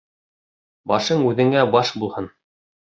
Башың үҙеңә баш булһын.